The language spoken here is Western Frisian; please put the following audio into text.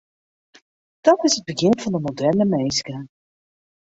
Dat is it begjin fan de moderne minske.